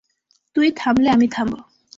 তুই থামলে আমি থামব।